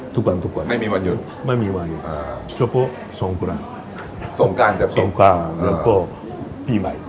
ทุกวันทุกวันไม่มีวันหยุดไม่มีวันหยุดอ่าสองกันสองกันสองกันแล้วก็ปีใหม่